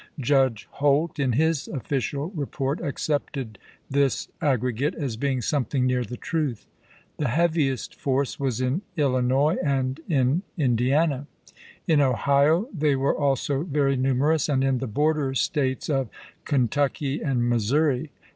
Judge Holt, in his official report, accepted this ag gregate as being something near the truth. The heaviest force was in Illinois and in Indiana; in Ohio they were also very numerous, and in the border States of Kentucky and Missouri.